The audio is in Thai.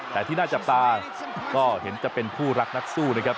แต่ที่น่าจับตาก็เห็นจะเป็นคู่รักนักสู้นะครับ